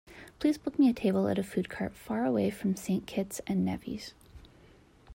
Please book me a table at a food court faraway from Saint Kitts and Nevis.